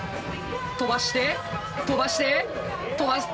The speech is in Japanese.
飛ばして飛ばして飛ばして。